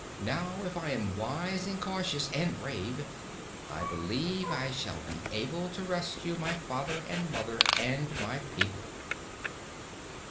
"Now, if I am wise, and cautious, and brave, I believe I shall be able to rescue my father and mother and my people."